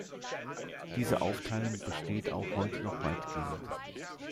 Diese Aufteilung besteht auch heute noch weitgehend.